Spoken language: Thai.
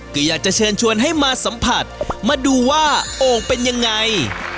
ก็อยากจะเชิญชวนให้มาสัมผัสมาดูว่าโอ่งเป็นยังไง